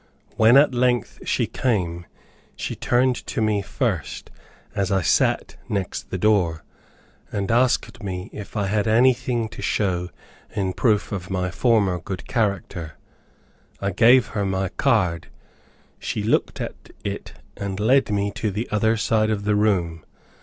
When at length she came, she turned to me first, as I sat next the door, and asked me if I had anything to show in proof of my former good character. I gave her my card; she looked at it, and led me to the other side of the room.